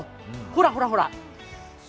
ほらほらほら。